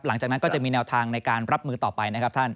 หลังจากนั้นก็จะมีแนวทางในการรับมือต่อไปนะครับท่าน